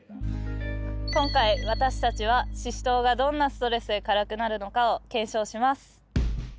今回私たちはシシトウがどんなストレスで辛くなるのかを検証します。